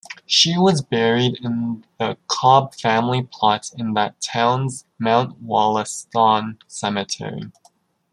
She was buried in the Cobb family plot in that town's Mount Wollaston Cemetery.